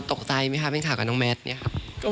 ก็คือผมไปทานหัวแก๊งเฟอร์บี่ครับ